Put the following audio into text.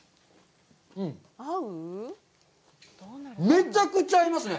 めちゃくちゃ合いますね。